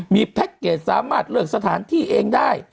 มีแพ็คเกจสามารถเลือกสถานที่เองได้